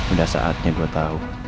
udah saatnya gua tahu